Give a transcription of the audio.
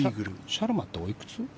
シャルマっておいくつ？